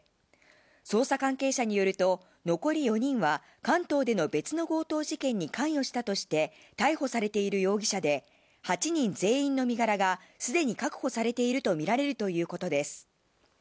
捜査関係者によると、残り４人は関東での別の強盗事件に関与したとして、逮捕されている容疑者で、８人全員の身柄がすでに確保されているとみられるということです。